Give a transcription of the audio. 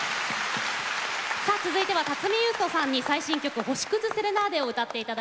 さあ続いては辰巳ゆうとさんに最新曲「星くずセレナーデ」を歌って頂きます。